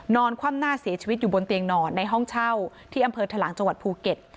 คว่ำหน้าเสียชีวิตอยู่บนเตียงนอนในห้องเช่าที่อำเภอทะลังจังหวัดภูเก็ต